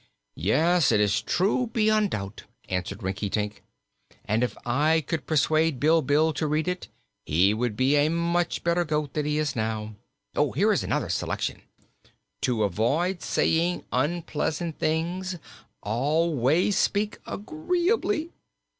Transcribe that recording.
"Yes, it is true beyond doubt," answered Rinkitink, "and if I could persuade Bilbil to read it he would be a much better goat than he is now. Here is another selection: 'To avoid saying Unpleasant Things, always Speak Agreeably.'